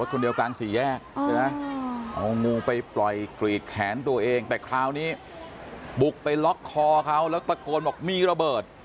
กลางสี่แยกใช่ไหมเอางูไปปล่อยกรีดแขนตัวเองแต่คราวนี้บุกไปล็อกคอเขาแล้วตะโกนบอกมีระเบิด